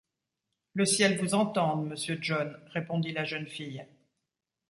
Le ciel vous entende, monsieur John, répondit la jeune fille.